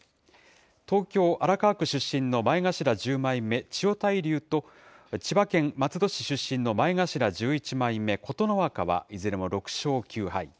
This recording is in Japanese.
東京・荒川区出身の前頭１０枚目、千代大龍と、千葉県松戸市出身の前頭１１枚目・琴ノ若はいずれも６勝９敗。